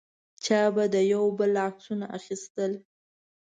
چا به د یو بل عکسونه اخیستل.